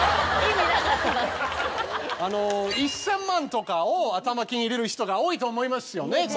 １０００万とかを頭金入れる人が多いと思いますよね。